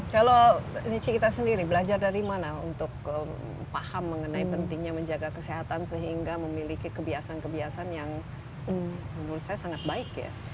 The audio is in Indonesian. kalau nici kita sendiri belajar dari mana untuk paham mengenai pentingnya menjaga kesehatan sehingga memiliki kebiasaan kebiasaan yang menurut saya sangat baik ya